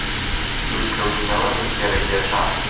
دوورکەوتنەوە لە جگەرەکێشان